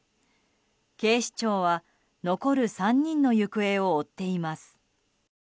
警視庁は残る３人の行方を追っています。